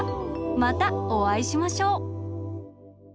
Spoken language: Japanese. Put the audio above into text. またおあいしましょう。